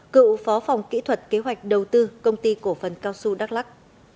cựu phó phòng kỹ thuật kế hoạch đầu tư công ty cổ phần cao xu đắk lắc